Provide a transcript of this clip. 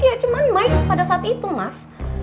ya cuman mike pada saat itu mas